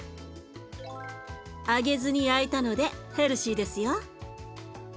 揚げずに焼いたのでヘルシーですよ。